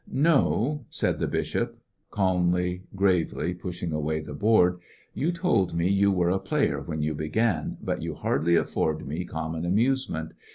"No," said the bishop, calmly, gravely push ing away the board j "you told me you were a player when you began, but you hardly afford me common amusement.